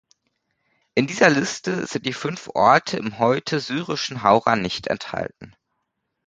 In dieser Liste sind die fünf Orte im heute syrischen Hauran nicht enthalten.